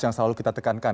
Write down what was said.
yang selalu kita tekankan